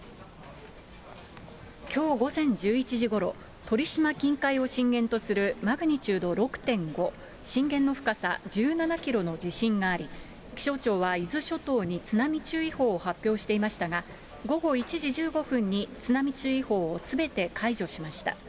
きょう午前１１時ごろ、鳥島近海を震源とするマグニチュード６．５、震源の深さ１７キロの地震があり、気象庁は伊豆諸島に津波注意報を発表していましたが、午後１時１５分に津波注意報をすべて解除しました。